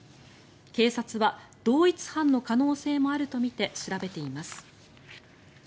警察は同一犯の可能性もあるとみて調べています。